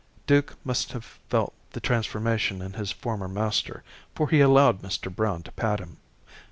Duke must have felt the transformation in his former master, for he allowed Mr. Brown to pat him.